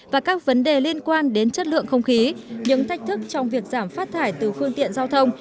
và các vấn đề liên quan đến chất lượng không khí những thách thức trong việc giảm phát thải từ phương tiện giao thông